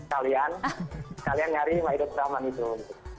kalian nyari maidot drama gitu